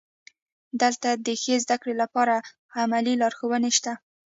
دلته د ښې زده کړې لپاره عملي لارښوونې شته.